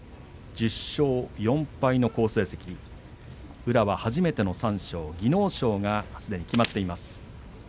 １０勝４敗の好成績宇良は初めての三賞技能賞がすでに決まっています。